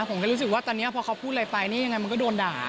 ผมก็รู้สึกว่าตอนนี้พอเขาพูดอะไรไปนี่ยังไงมันก็โดนด่า